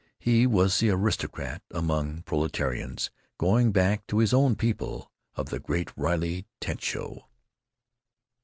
He was the aristocrat among proletarians, going back to His Own People—of the Great Riley Tent Show.